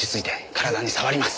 体に障ります。